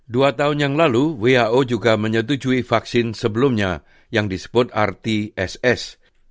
dua tahun yang lalu who juga menyetujui vaksin sebelumnya yang disebut rtss